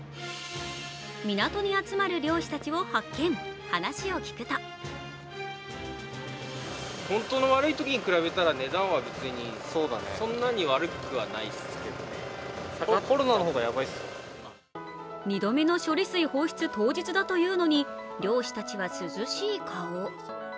港に集まる漁師たちを発見、話を聴くと２度目の処理水放出当日だというのに漁師たちは涼しい顔。